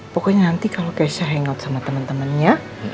pokoknya nanti kalau keisha hangout sama temen temennya